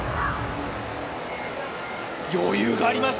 余裕があります。